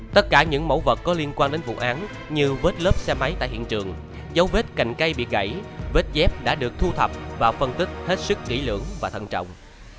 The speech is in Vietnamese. tất cả những mẫu vật có liên quan đến vụ án như vết lớp xe máy tại hiện trường dấu vết cành cây bị gãy vết dép đã được thu thập và phân tích hết sức kỹ lưỡng và thận trọng